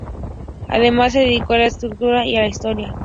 Además se dedicó a la escritura y a la historia.